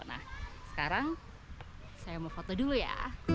nah sekarang saya mau foto dulu ya